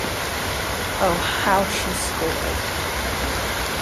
Oh, how she scolded.